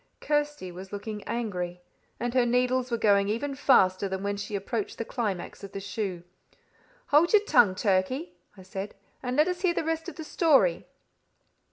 Kirsty was looking angry, and her needles were going even faster than when she approached the climax of the shoe. "Hold your tongue, Turkey," I said, "and let us hear the rest of the story."